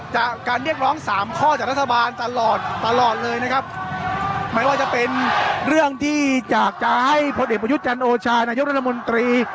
จากการเรียกร้องสามข้อจากรัฐบาลตลอดตลอดเลยนะครับไม่ว่าจะเป็นเรื่องที่อยากจะให้พลเอกประยุทธ์จันโอชานายกรัฐมนตรี